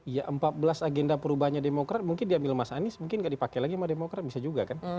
ya empat belas agenda perubahannya demokrat mungkin diambil mas anies mungkin nggak dipakai lagi sama demokrat bisa juga kan